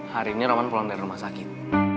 hari ini rawan pulang dari rumah sakit